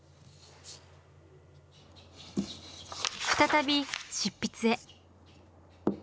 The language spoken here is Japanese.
再び執筆へ。